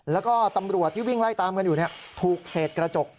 แล้วก็ตำรวจที่วิ่งไล่ตามกันอยู่ถูกเศษกระจก